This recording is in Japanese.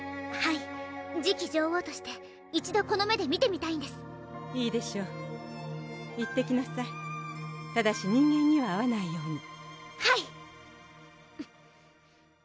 はい次期女王として一度この目で見てみたいんですいいでしょう行ってきなさいただし人間には会わないようにはい！